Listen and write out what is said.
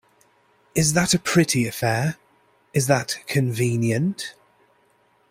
Is that a pretty affair? Is that convenient?